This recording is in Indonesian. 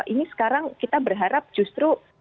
ini sekarang kita berharap justru